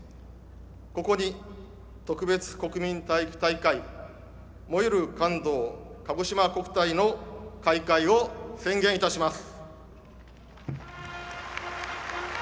ここに、特別国民体育大会「燃ゆる感動かごしま国体」の開会を宣言いたします。